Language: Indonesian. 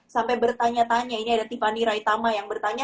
sampai bertanya tanya ini ada tiffany raitama yang bertanya